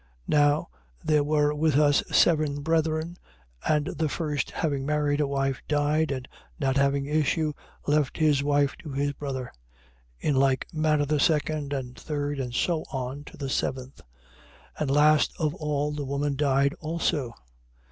22:25. Now there were with us seven brethren: and the first having married a wife, died; and not having issue, left his wife to his brother. 22:26. In like manner the second and the third and so on, to the seventh. 22:27. And last of all the woman died also.